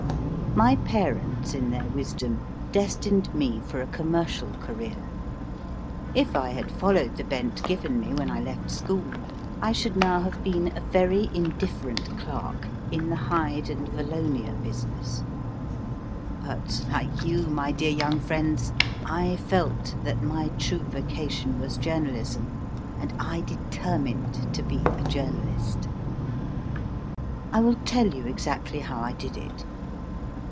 My parents, in their wisdom, destined me for a commercial career. If I had followed the bent given me when I left school, I should now have been a very indifferent clerk in the hide and valonia business. But like you, my dear young friends, I felt that my true vocation was journalism, and I determined to be a journalist. I will tell you exactly how I did it.